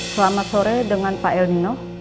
selamat sore dengan pak elmino